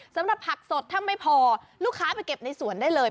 สำหรับผักสดถ้าไม่พอลูกค้าไปเก็บในสวนได้เลย